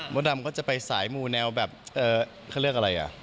ดำก็จะไปสายมูแนวแบบเขาเรียกอะไรอ่ะ